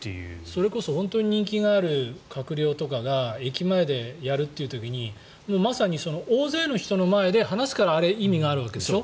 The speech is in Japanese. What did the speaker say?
それこそ本当に人気がある閣僚とかが駅前でやるという時にまさに大勢の人の前で話すから意味があるわけでしょ。